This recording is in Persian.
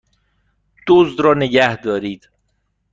دزد را نگهدارید!